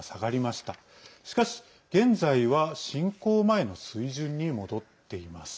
しかし、現在は侵攻前の水準に戻っています。